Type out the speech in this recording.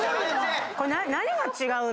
これ何が違うの？